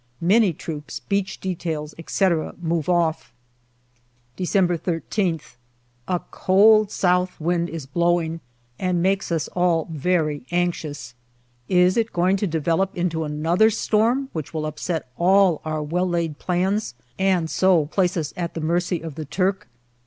Many troops, beach details, etc., move off. December 13th. A cold south wind is blowing and makes us all very anxious. Is it going to develop into another storm which will upset all our well laid plans and so place us at the mercy of the Turk